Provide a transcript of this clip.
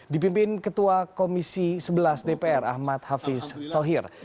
dipimpin ketua komisi sebelas dpr ahmad hafiz thohir